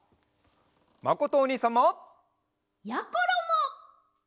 まことおにいさんも！やころも！